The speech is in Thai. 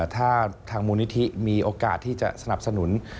ถ้าทางมูลนิธิมีโอกาสที่จะสนับสนุน